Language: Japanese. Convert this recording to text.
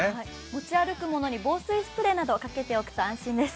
持ち歩くものに防水スプレーなどをかけておくと安心です。